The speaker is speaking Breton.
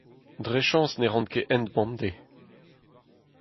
Dre chañs ne ran ket hent bemdez.